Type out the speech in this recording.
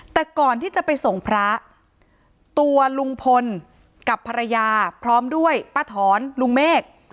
แต่ก่อนที่จะไปส่งพระตัวลุงพลกับภรรยาพร้อมด้วยป้าถอนลุงเมฆ